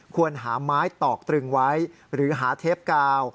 ควรหาไม้ตอกตรึงไว้หรือหาเทปกาว